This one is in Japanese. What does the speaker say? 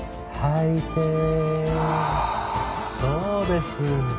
そうです。